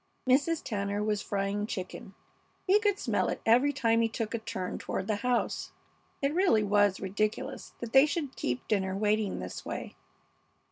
Mrs. Tanner was frying chicken. He could smell it every time he took a turn toward the house. It really was ridiculous that they should keep dinner waiting this way.